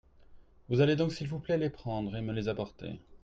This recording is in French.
Vous allez donc, s'il vous plaît, les prendre et me les apporter.